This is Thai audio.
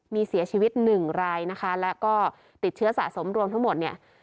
มีเสียชีวิต๑ไรและติดเชื้อสะสมรวมทั้งหมด